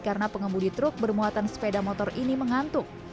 karena pengemudi truk bermuatan sepeda motor ini mengantuk